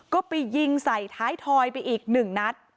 ก็ไปยิงใส่ท้ายทอยไปอีกหนึ่งนัด